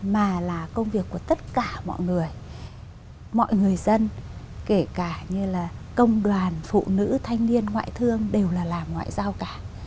mà là công việc của tất cả mọi người mọi người dân kể cả như là công đoàn phụ nữ thanh niên ngoại thương đều là làm ngoại giao cả